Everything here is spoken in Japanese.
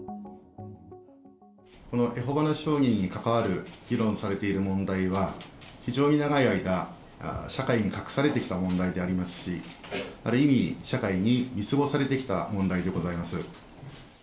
このエホバの証人に関わる議論されている問題は、非常に長い間、社会に隠されてきた問題でありますし、ある意味、社会に見過ごされてきた問題でございます。